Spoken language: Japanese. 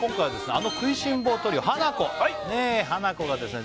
あの食いしん坊トリオハナコハナコがですね